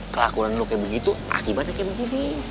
kelakuan lo kayak begitu akibatnya kayak begini